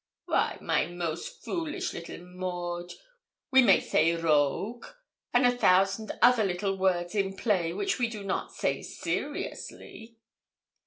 'Why, my most foolish little Maud, we may say rogue, and a thousand other little words in play which we do not say seriously.'